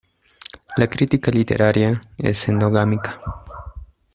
La crítica literaria es endogámica.